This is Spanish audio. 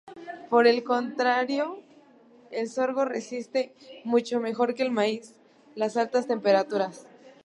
Por el contrario, el sorgo resiste mucho mejor que el maíz las altas temperaturas.